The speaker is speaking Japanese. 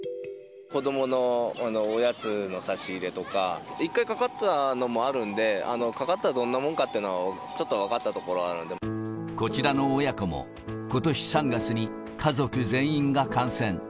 子どものおやつの差し入れとか、１回かかったのもあるので、かかったらどんなもんかというのを、ちょっと分かったところあるこちらの親子も、ことし３月に家族全員が感染。